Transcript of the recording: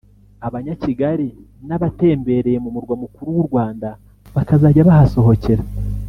abanyakigali n’abatembereye mu murwa mukuru w’u Rwanda bakazajya bahasohokera